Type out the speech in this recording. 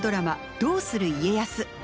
「どうする家康」。